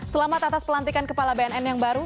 selamat atas pelantikan kepala bnn yang baru